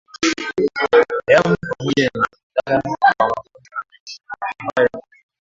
damu pamoja na madhara kwa magonjwa mengine ambayo